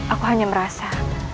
aku hanya merasa